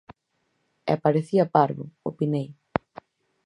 E parecía parvo, opinei.